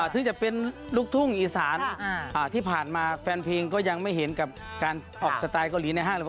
คือจะเป็นลุภุทุ่งอีศาลที่ผ่านมาแฟนเพลงยังไม่เห็นการออกสไตล์เกาหลีในห้าง